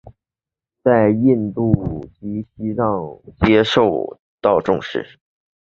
在印度及西藏皆受到重视。